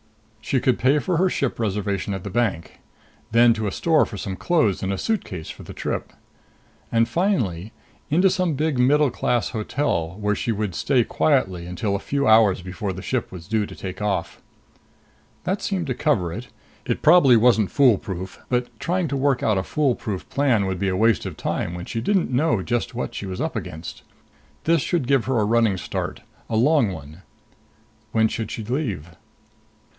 She could pay for her ship reservation at the bank. Then to a store for some clothes and a suitcase for the trip.... And, finally, into some big middle class hotel where she would stay quietly until a few hours before the ship was due to take off. That seemed to cover it. It probably wasn't foolproof. But trying to work out a foolproof plan would be a waste of time when she didn't know just what she was up against. This should give her a running start, a long one. When should she leave?